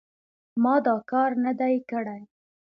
ما دا کار نه دی کړی.